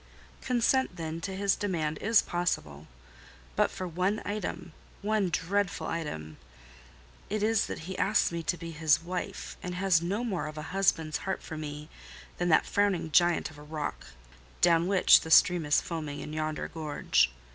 "Consent, then, to his demand is possible: but for one item—one dreadful item. It is—that he asks me to be his wife, and has no more of a husband's heart for me than that frowning giant of a rock, down which the stream is foaming in yonder gorge.